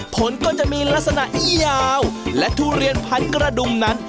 ผลก็จะมีลักษณะยาวและทุเรียนพันกระดุมนั้น